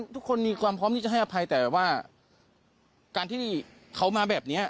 ทุกคนมีความพร้อมที่จะให้อภัยแต่ว่าการที่เขามาแบบนี้